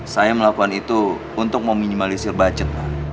saya melakukan itu untuk meminimalisir budget pak